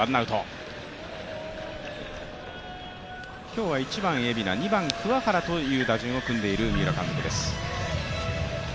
今日は１番・蝦名、２番・桑原という打順を組んでいる三浦監督です。